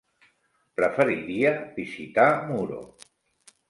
Preferiria visitar Muro.